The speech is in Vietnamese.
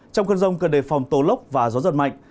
trong cơn rông cần đề phòng tố lốc và gió giật mạnh